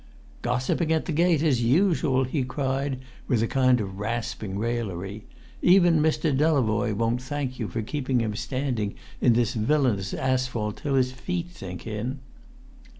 "Gossiping at the gate, as usual!" he cried, with a kind of rasping raillery. "Even Mr. Delavoye won't thank you for keeping him standing on this villainous asphalt till his feet sink in."